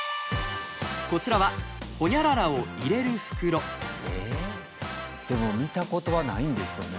こちらはでも見たことはないんですよね。